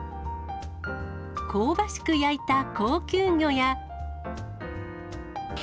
香ばしく焼いた高級魚や。